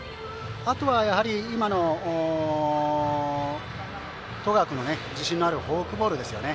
あとは、今の十川君の自信のあるフォークボールですね。